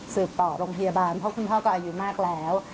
ต่อโรงพยาบาลเพราะคุณพ่อก็อายุมากแล้ว